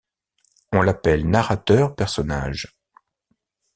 On l'appelle narrateur-personnage.